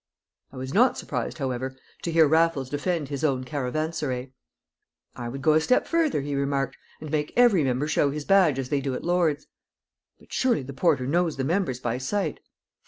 I was not surprised, however, to hear Raffles defend his own caravanserai. "I would go a step further," he remarked, "and make every member show his badge as they do at Lord's." "But surely the porter knows the members by sight?"